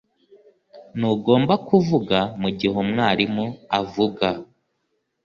Ntugomba kuvuga mugihe umwarimu avuga